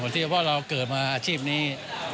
เฉพาะเราเกิดมาอาชีพนี้